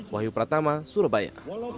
wahyu pratama surabaya